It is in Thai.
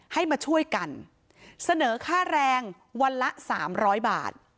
ให้มาช่วยกันเสนอค่าแรงวันละ๓๐๐บาท